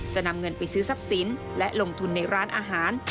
จะนำเงินไปซื้อทรัพย์สินและลงทุนในร้านอาหาร